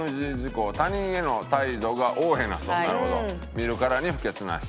「見るからに不潔な人」